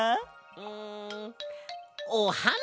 うんおはな！